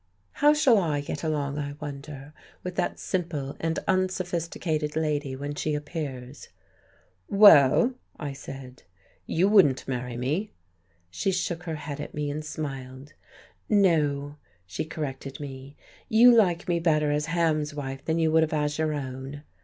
"How shall I get along, I wonder, with that simple and unsophisticated lady when she appears?" "Well," I said, "you wouldn't marry me." She shook her head at me, and smiled.... "No," she corrected me, "you like me better as Hams' wife than you would have as your own."